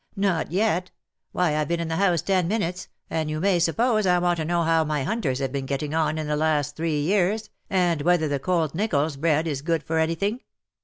" Not yet ! Why Fve been in the house ten minutes, and you may suppose I want to know how my hunters have been getting on in the last three years, and whether the colt NichoUs bred is good for anything.